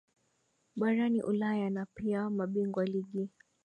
barani ulaya na pia mabingwa ligi